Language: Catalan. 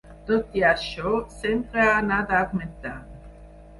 Tot i això, sempre ha anat augmentant.